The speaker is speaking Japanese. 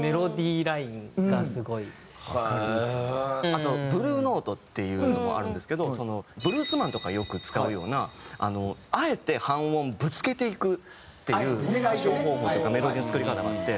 あとブルー・ノートっていうのもあるんですけどブルースマンとかよく使うようなあえて半音ぶつけていくっていう歌唱方法っていうかメロディーの作り方があって。